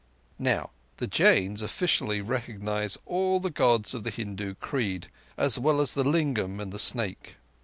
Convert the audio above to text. Now the Jains officially recognize all the Gods of the Hindu creed, as well as the Lingam and the Snake.